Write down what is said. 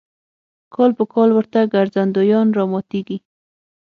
کال په کال ورته ګرځندویان راماتېږي.